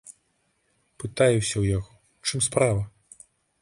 Пытаюся ў яго, у чым справа.